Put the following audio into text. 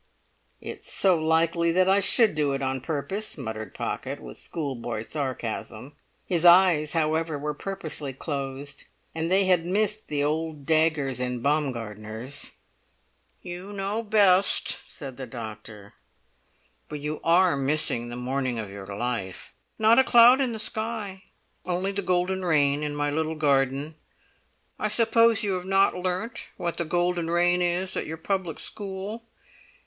"It's so likely that I should do it on purpose," muttered Pocket, with schoolboy sarcasm. His eyes, however, were purposely closed, and they had missed the old daggers in Baumgartner's. "You know best," said the doctor. "But you are missing the morning of your life! Not a cloud in the sky, only the golden rain in my little garden. I suppose you have not learnt what the golden rain is at your public school?